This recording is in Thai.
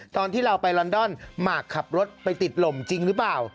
ตอนที่เราไปลอนดอนหมากขับรถไปติดลมจริงหรือเปล่า